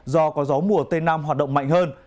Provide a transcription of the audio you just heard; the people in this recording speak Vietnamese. do có gió mùa tây nam hoạt động mạnh hơn